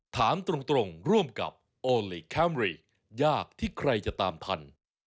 ถามตรงร่วมกับโอลี่คัมรี่ยากที่ใครจะตามทัน